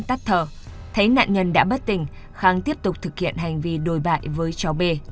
tắt thở thấy nạn nhân đã bất tỉnh khang tiếp tục thực hiện hành vi đồi bại với cháu bê